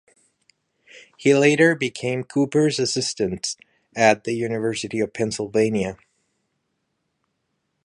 He later became Cooper's assistant at the University of Pennsylvania.